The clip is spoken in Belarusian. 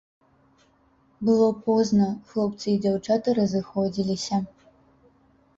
Было позна, хлопцы і дзяўчаты разыходзіліся.